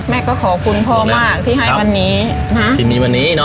แม่ก็ขอบคุณพ่อมากที่ให้วันนี้ที่มีวันนี้เนอะ